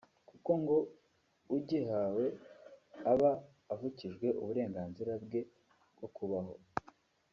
kuko ngo ugihawe aba avukijwe uburenganzira bwe bwo kubaho